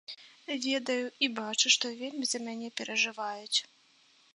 Ведаю і бачу, што вельмі за мяне перажываюць.